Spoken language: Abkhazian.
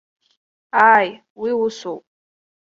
Ааи, уи усоуп.